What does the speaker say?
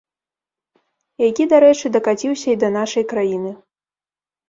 Які, дарэчы, дакаціўся і да нашай краіны.